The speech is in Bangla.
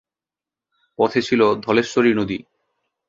পথে ছিল ধলেশ্বরী নদী।